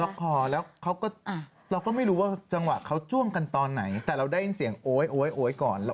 คอแล้วเขาก็เราก็ไม่รู้ว่าจังหวะเขาจ้วงกันตอนไหนแต่เราได้ยินเสียงโอ๊ยโอ๊ยโอ๊ยก่อน